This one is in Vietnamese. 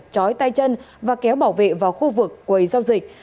chói tay chân và kéo bảo vệ vào khu vực quầy giao dịch